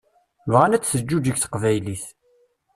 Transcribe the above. Bɣan ad teǧǧuǧeg teqbaylit.